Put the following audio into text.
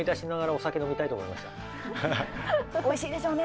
帰っておいしいでしょうね？